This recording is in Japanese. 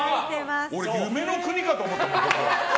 俺、夢の国かと思った。